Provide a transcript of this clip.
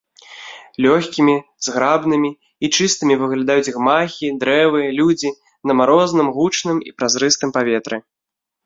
Лёгкімі, зграбнымі і чыстымі выглядаюць гмахі, дрэвы, людзі на марозным гучным і празрыстым паветры.